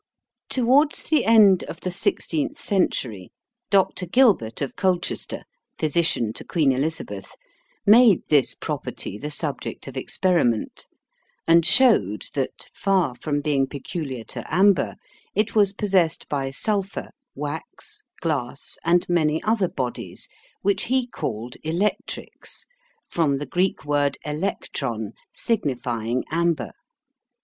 Towards the end of the sixteenth century Dr. Gilbert of Colchester, physician to Queen Elizabeth, made this property the subject of experiment, and showed that, far from being peculiar to amber, it was possessed by sulphur, wax, glass, and many other bodies which he called electrics, from the Greek word elektron, signifying amber.